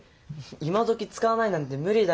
今どき使わないなんて無理だよ。